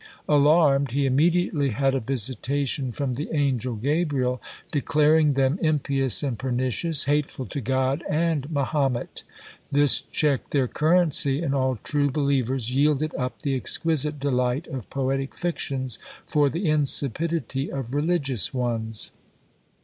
Alarmed, he immediately had a visitation from the angel Gabriel, declaring them impious and pernicious, hateful to God and Mahomet. This checked their currency; and all true believers yielded up the exquisite delight of poetic fictions for the insipidity of religious ones.